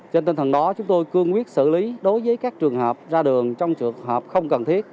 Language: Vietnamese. trên tinh thần đó chúng tôi cương quyết xử lý đối với các trường hợp ra đường trong trường hợp không cần thiết